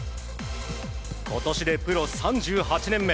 今年でプロ３８年目。